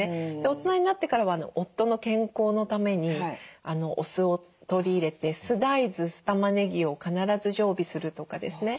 大人になってからは夫の健康のためにお酢を取り入れて酢大豆酢たまねぎを必ず常備するとかですね。